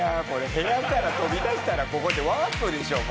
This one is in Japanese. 部屋から飛び出したらここってワープでしょもう。